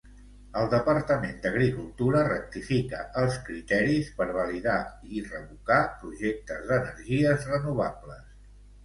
El Departament d'Agricultura rectifica els criteris per validar i revocar projectes d'energies renovables.